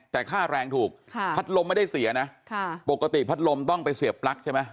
แต่ค่าแรงถูกพัดลมไม่ได้เสียนะปกติพัดลมต้องไปเสียบปลั๊กใช่ไหม